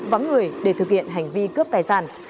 vắng người để thực hiện hành vi cướp tài sản